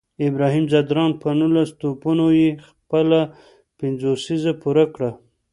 ابراهیم ځدراڼ په نولس توپونو یې خپله پنځوسیزه پوره کړه